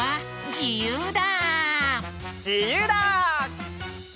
じゆうだ！